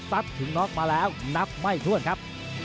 ถึงน็อกมาแล้วนับไม่ถ้วนครับ